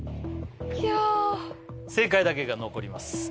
きゃあ正解だけが残ります